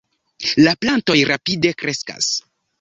La plantoj rapide kreskas.